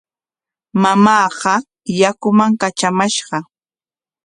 Mamaaqa yakuman katramashqa.